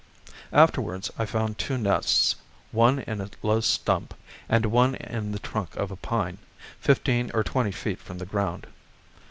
Afterwards I found two nests, one in a low stump, and one in the trunk of a pine, fifteen or twenty feet from the ground.